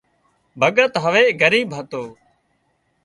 ڀڳت هاوَ ڳريٻ هتو